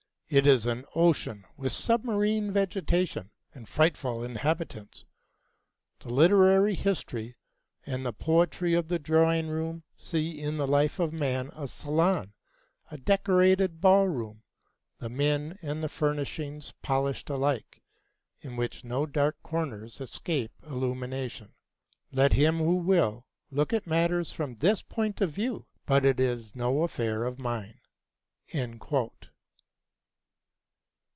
It is an ocean with submarine vegetation and frightful inhabitants. The literary history and the poetry of the drawing room see in the life of man a salon, a decorated ball room, the men and the furnishings polished alike, in which no dark corners escape illumination. Let him who will, look at matters from this point of view; but it is no affair of mine."